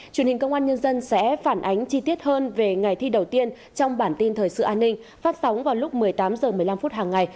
truyền hình công an nhân dân sẽ phản ánh chi tiết hơn về ngày thi đầu tiên trong bản tin thời sự an ninh phát sóng vào lúc một mươi tám h một mươi năm hàng ngày